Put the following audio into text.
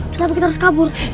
kenapa kita harus kabur